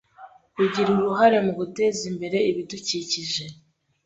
Kugira uruhare mu guteza imbere ibidukikije